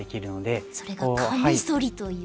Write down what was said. それがカミソリという。